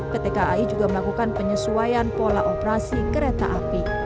pt kai juga melakukan penyesuaian pola operasi kereta api